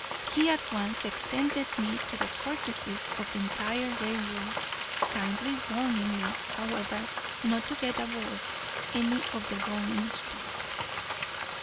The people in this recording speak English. He at once extended to me the courtesies of the entire railroad, kindly warning me, however, not to get aboard any of the rolling stock.